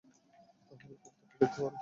তাহলে কবুতরটা দেখতে পাবে।